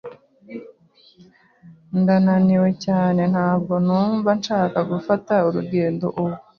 Ndananiwe cyane. Ntabwo numva nshaka gufata urugendo ubu.